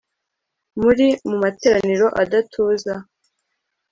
muri mu materaniro adatuza